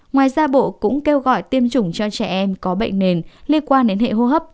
ngoài ra bộ cũng kêu gọi tiêm chủng cho trẻ em có bệnh nền liên quan đến hệ hô hấp